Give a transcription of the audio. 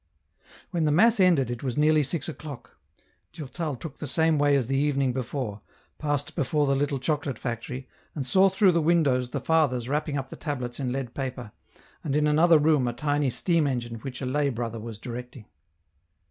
When the mass ended it was nearly six o'clock. Durtal took the same way as the evening before, passed before the little chocolate factory, and saw through the windows the fathers wrapping up the tablets in lead paper, and in 174 EN ROUTE. another room a tiny steam engine which a lay brother was directing.